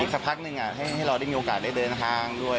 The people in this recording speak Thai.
สักพักหนึ่งให้เราได้มีโอกาสได้เดินทางด้วย